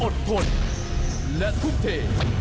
อดทนและทุ่มเท